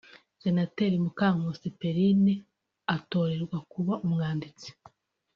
Senateri Mukankusi Perrine atorerwa kuba umwanditsi